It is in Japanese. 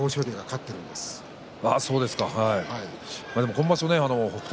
今場所、北勝